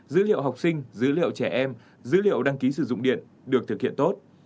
dữ liệu học sinh dữ liệu trẻ em dữ liệu đăng ký sử dụng điện được thực hiện tốt